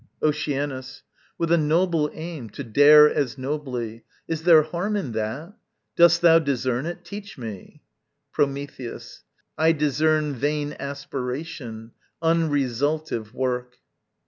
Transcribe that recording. Oceanus. With a noble aim To dare as nobly is there harm in that? Dost thou discern it? Teach me. Prometheus. I discern Vain aspiration, unresultive work.